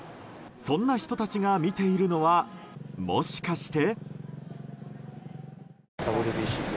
そんな人たちが見ているのはもしかして。